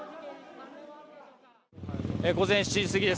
午前７時すぎです。